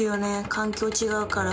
環境違うから。